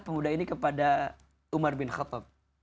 pemuda ini kepada umar bin khattab